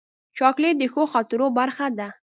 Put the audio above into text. چاکلېټ د ښو خاطرو برخه ده.